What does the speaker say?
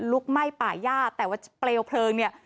รุกไหม้ป่ายหยาบแต่ว่าเตรียมเคลียร์เนี่ย